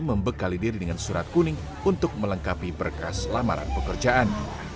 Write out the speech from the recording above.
membekali diri dengan surat kuning untuk melengkapi berkas lamaran pekerjaan